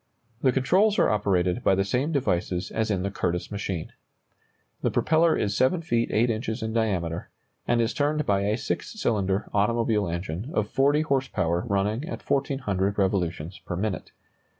The controls are operated by the same devices as in the Curtiss machine. The propeller is 7 feet 8 inches in diameter, and is turned by a six cylinder automobile engine of 40 horse power running at 1,400 revolutions per minute.